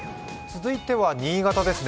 続いては新潟です。